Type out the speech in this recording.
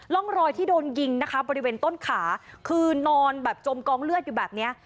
ร่องรอยที่โดนยิงนะคะบริเวณต้นขาคือนอนแบบจมกองเลือดอยู่แบบเนี้ย